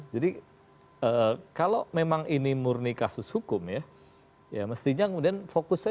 jadi kalau memang ini murni kasus hukum ya ya mestinya kemudian fokus saja